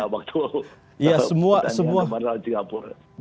waktu pertandingan di singapura